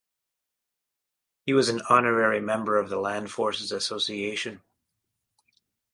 He was an honorary member of the Land Forces Association.